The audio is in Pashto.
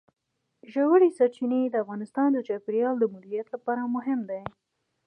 ژورې سرچینې د افغانستان د چاپیریال د مدیریت لپاره مهم دي.